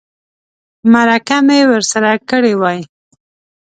مرکه مې ورسره کړې وای.